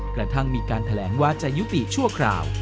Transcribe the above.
กระทั่งมีการแถลงว่าจะยุติชั่วคราว